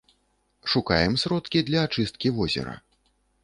Шукаем сродкі для ачысткі возера.